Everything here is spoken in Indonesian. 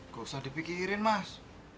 gak usah dipikirin mas